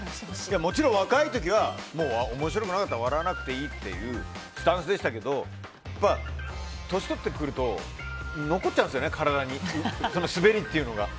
もちろん若い時は面白くなかったら笑わなくていいっていうスタンスでしたけど年を取ってくると残っちゃうんですね、体にスベりっていうのが。